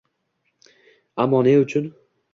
Ammo ne uchun